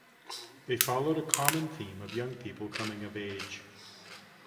They followed a common theme of young people coming of age.